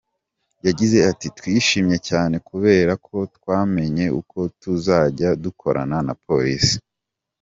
Yagize ati “ Twishimye cyane kubera ko twamenye uko tuzajya dukorana na Polisi.